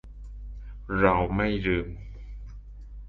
เราไม่ลืม